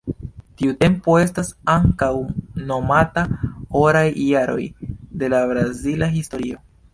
Tiu tempo estas ankaŭ nomata "oraj jaroj" de la brazila historio.